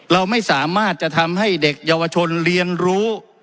เราไม่สามารถจะทำให้เด็กเยาวชนเรียนรู้